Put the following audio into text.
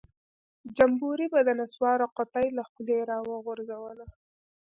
جمبوري به د نسوارو قطۍ له خولۍ راوغورځوله.